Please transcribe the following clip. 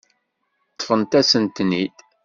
Ṭṭfent-asen-ten-id.